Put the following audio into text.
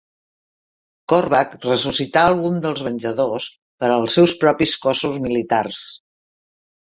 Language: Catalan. Korvac ressuscita alguns dels venjadors per als seus propis cossos militars.